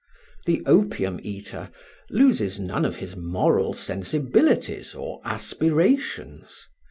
The opium eater loses none of his moral sensibilities or aspirations.